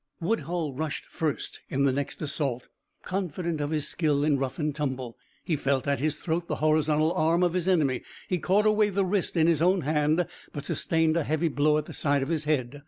Woodhull rushed first in the next assault, confident of his skill in rough and tumble. He felt at his throat the horizontal arm of his enemy. He caught away the wrist in his own hand, but sustained a heavy blow at the side of his head.